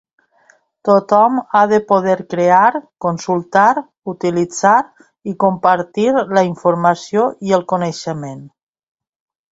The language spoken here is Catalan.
Tothom ha de poder crear, consultar, utilitzar i compartir la informació i el coneixement.